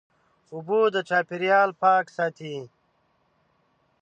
اوبه د چاپېریال پاک ساتي.